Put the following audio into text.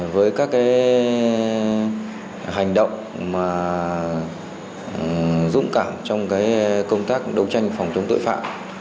với các hành động dũng cảm trong công tác đấu tranh phòng chống tội phạm